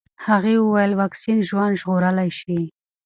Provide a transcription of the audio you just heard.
هغې وویل واکسین ژوند ژغورلی شي.